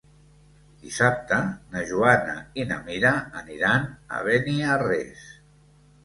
Dissabte na Joana i na Mira aniran a Beniarrés.